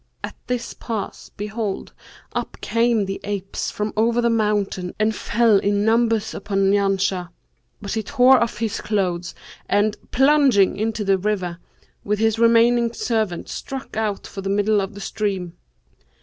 At this pass, behold, up came the apes from over the mountain and fell in numbers upon Janshah; but he tore off his clothes and, plunging into the river, with his remaining servant, struck out for the middle of the stream.